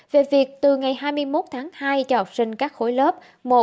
về việc từ ngày hai mươi một tháng hai cho học sinh các khối lớp một hai ba bốn năm sáu